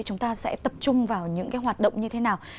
chúng ta sẽ tập trung vào những cái hoạt động như thế nào